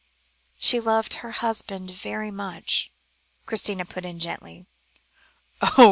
"She loved her husband very much," Christina put in gently. "Oh!